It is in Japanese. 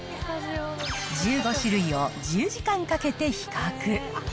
１５種類を１０時間かけて比較。